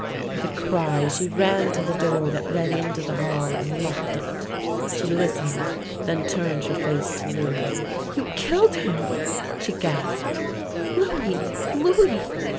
With a cry she ran to the door that led into the hall and locked it. She listened, then turned her face to Louis. " You killed him! " she gasped. " Louis! Louis!